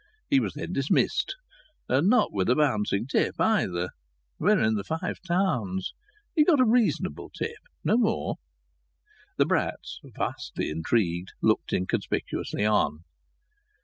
He was then dismissed, and not with a bouncing tip either. We are in the Five Towns. He got a reasonable tip, no more. The Bratts, vastly intrigued, looked inconspicuously on.